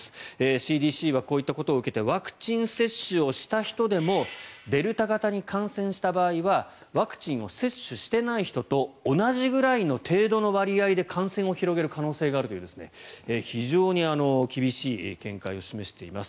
ＣＤＣはこういったことを受けてワクチン接種をした人でもデルタ型に感染した場合はワクチンを接種していない人と同じぐらいの程度の割合で感染を広げる可能性があるという非常に厳しい見解を示しています。